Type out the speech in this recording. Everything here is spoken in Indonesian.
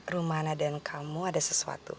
rumahna dan kamu ada sesuatu